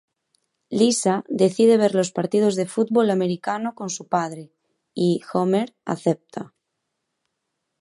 Lisa decide ver los partidos de fútbol americano con su padre, y Homer acepta.